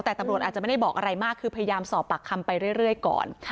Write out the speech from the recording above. แต่ตำรวจอาจจะไม่ได้บอกอะไรมากคือพยายามสอบปากคำไปเรื่อยก่อน